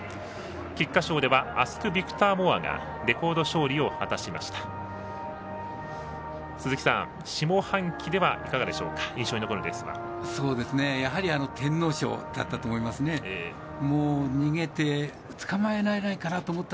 菊花賞ではアスクビクターモアがレコード勝利を果たしました。